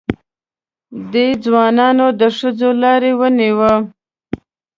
دې ځوانانو د ښځو لاره ونیوه.